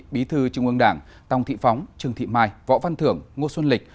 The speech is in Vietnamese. bí thư trung ương đảng tòng thị phóng trương thị mai võ văn thưởng ngô xuân lịch